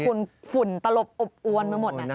ใช่ฝุ่นประลบอวนมาหมด